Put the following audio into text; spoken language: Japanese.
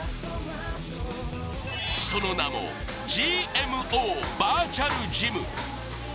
その名もＧＭＯバーチャルジム。